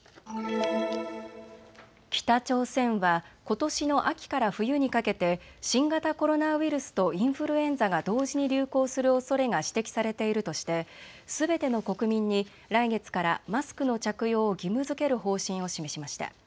北朝鮮はことしの秋から冬にかけて新型コロナウイルスとインフルエンザが同時に流行するおそれが指摘されているとしてすべての国民に来月からマスクの着用を義務づける方針を示しました。